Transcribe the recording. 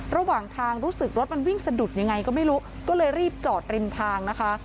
ระหว่างทางรู้สึกรถมันวิ่งสะดุดยังไงก็ไม่รู้ก็เลยรีบจอดริมทางนะคะ